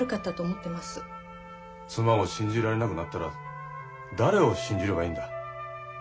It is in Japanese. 妻を信じられなくなったら誰を信じればいいんだ？